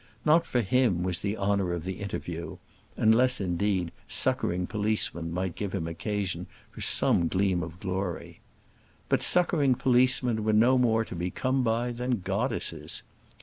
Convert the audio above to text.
Not for him was the honour of the interview; unless, indeed, succouring policemen might give occasion for some gleam of glory. But succouring policemen were no more to be come by than goddesses.